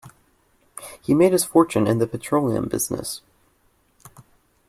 He made his fortune in the petroleum business.